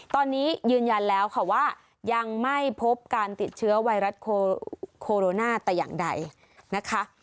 ตอนนี้ยืนยันแล้วค่ะว่ายังไม่พบการติดเชื้อไวรัสโคโรนาแต่อย่างใดนะคะ